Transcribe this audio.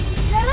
ayo cari terus